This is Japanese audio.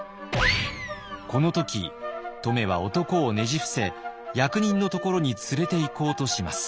この時乙女は男をねじ伏せ役人のところに連れていこうとします。